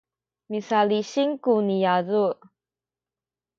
misalisin ku niyazu’